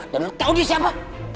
dan lo tau dia siapa